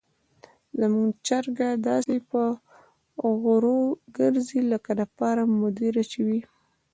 زموږ چرګه داسې په غرور ګرځي لکه د فارم مدیره چې وي.